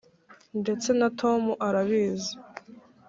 ndetse na tom arabizi